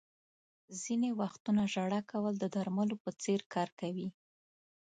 • ځینې وختونه ژړا کول د درملو په څېر کار کوي.